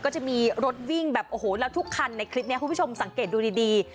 ก็จะมีรถวิ่งแบบโอ้โหแล้วทุกคันในคลิปนี้คุณผู้ชมสังเกตดูดี